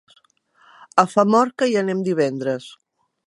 A Famorca hi anem divendres.